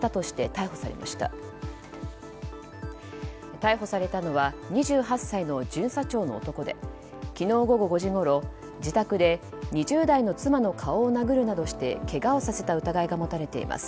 逮捕されたのは２８歳の巡査長の男で昨日午後５時ごろ、自宅で２０代の妻の顔を殴るなどしてけがをさせた疑いが持たれています。